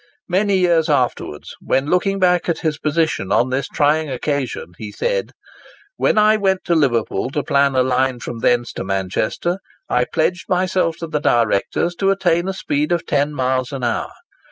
Many years afterwards, when looking back at his position on this trying occasion, he said:—"When I went to Liverpool to plan a line from thence to Manchester, I pledged myself to the directors to attain a speed of 10 miles an hour.